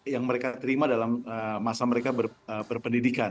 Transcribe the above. yang mereka terima dalam masa mereka berpendidikan